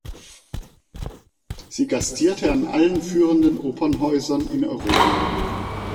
Sie gastierte an allen führenden Opernhäusern in Europa.